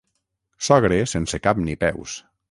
Sogre sense cap ni peus.